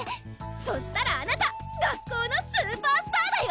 そしたらあなた学校のスーパースターだよ！